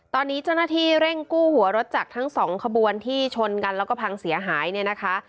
ตอนนี้เจ้าหน้าที่เร่งกู้หัวรถจากทั้งสองขบวนที่ชนกันแล้วก็พังเสียหายเนี่ยนะคะ